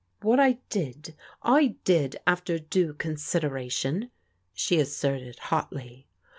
" What I did, I did after due consideration/' she as erted hotly.